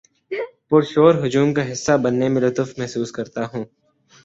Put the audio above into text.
پر شور ہجوم کا حصہ بننے میں لطف محسوس کرتا ہوں